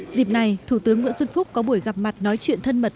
dịp này thủ tướng nguyễn xuân phúc có buổi gặp mặt nói chuyện thân mật